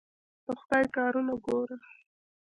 د خدای کارونه ګوره!